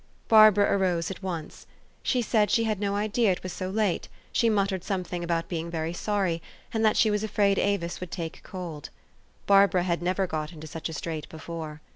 Barbara arose at once. She said she had no idea it was so late ; she muttered something about being very sorry, and that she was afraid Avis would take cold. Barbara had never got into such a strait before.